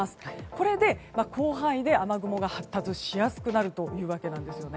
これで広範囲で雨雲が発達しやすくなるというわけなんです。